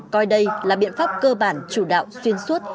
coi đây là biện pháp cơ bản chủ đạo xuyên suốt